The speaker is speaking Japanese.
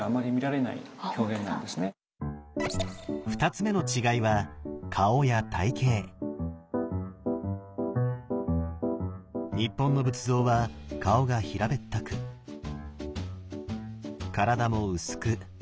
２つ目の違いは日本の仏像は顔が平べったく体も薄くなで肩です。